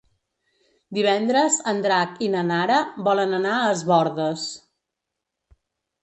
Divendres en Drac i na Nara volen anar a Es Bòrdes.